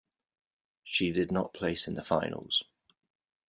She did not place in the finals.